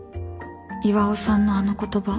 巌さんのあの言葉。